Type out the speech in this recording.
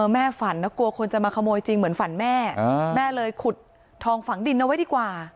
ฝันนะกลัวคนจะมาขโมยจริงเหมือนฝันแม่แม่เลยขุดทองฝังดินเอาไว้ดีกว่า